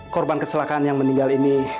korban kecelakaan yang meninggal ini